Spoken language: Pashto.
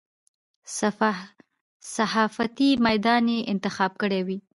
صحافتي میدان یې انتخاب کړی وي.